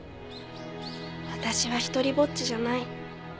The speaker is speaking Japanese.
私は独りぼっちじゃない。